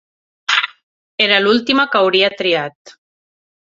Era l'última que hauria triat.